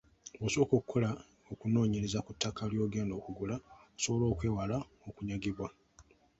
Bw'osooka okukola okunoonyereza ku ttaka ly'ogenda okugula, osobola okwewala okunyagibwa.